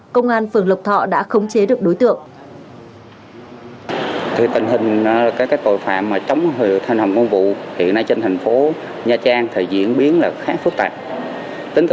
công an tp nha trang bắt giữ